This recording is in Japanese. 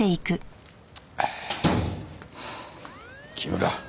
木村